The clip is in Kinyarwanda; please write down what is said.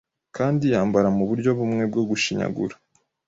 kandi yambara muburyo bumwe bwo gushinyagura.